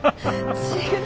違う！